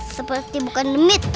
seperti bukan demit